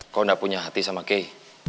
kau enggak punya hati sama kei